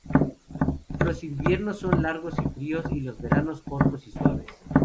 Los inviernos son largos y fríos y los veranos cortos y suaves.